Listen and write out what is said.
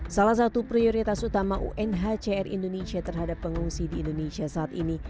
salah satu prioritas utama unhcr indonesia terhadap pengungsi di indonesia saat ini